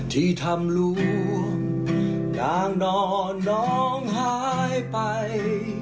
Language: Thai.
ที่ทำลูกนางนอนน้องหายไป